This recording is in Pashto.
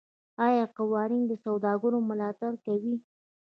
آیا قوانین د سوداګرو ملاتړ کوي؟